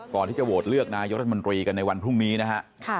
ก่อนที่จะโหวตเลือกนายกรัฐมนตรีกันในวันพรุ่งนี้นะฮะ